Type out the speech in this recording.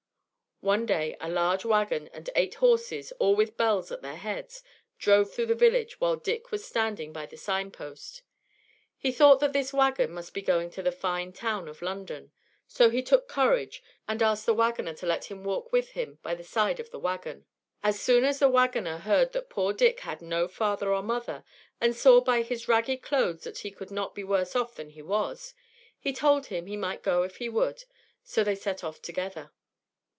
One day a large wagon and eight horses, all with bells at their heads, drove through the village while Dick was standing by the sign post. He thought that this wagon must be going to the fine town of London; so he took courage, and asked the wagoner to let him walk with him by the side of the wagon. As soon as the wagoner heard that poor Dick had no father or mother, and saw by his ragged clothes that he could not be worse off than he was, he told him he might go if he would, so they set off together.